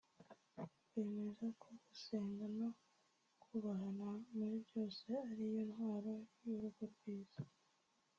Bemeza ko gusenga no kubahana muri byose ari yo ntwaro y’urugo rwiza